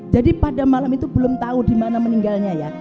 jadi pada malam itu belum tahu dimana meninggalnya ya